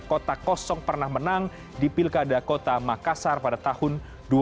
kota kosong pernah menang di pilkada kota makassar pada tahun dua ribu empat